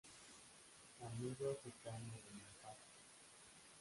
Amigo africano de Mampato.